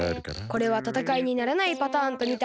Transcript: これはたたかいにならないパターンとみた。